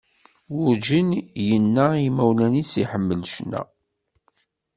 Werğin yenna i yimawlan-is iḥemmel ccna.